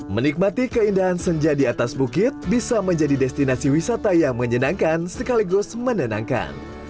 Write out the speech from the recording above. menikmati keindahan senja di atas bukit bisa menjadi destinasi wisata yang menyenangkan sekaligus menenangkan